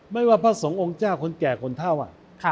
ไม่ว่าพระสงฆ์องค์เจ้าคนแก่คนเท่า